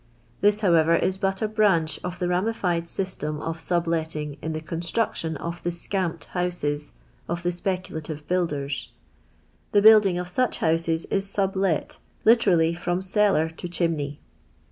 This, however, is but a branch of the ramified system of inblettiDg in ; the constructiim of the " scamped" houses of the ' speculative builders. The building of such houses is sublet, literally from cellar to chimney.